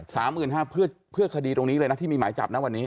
สามหมื่นห้าเพื่อเพื่อคดีตรงนี้เลยนะที่มีหมายจับนะวันนี้